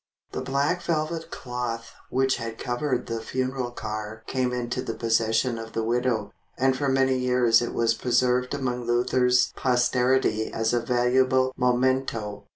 The black velvet cloth which had covered the funeral car came into the possession of the widow, and for many years it was preserved among Luther's posterity as a valuable memento.